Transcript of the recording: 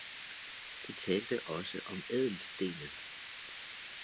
De talte også om ædelstenen!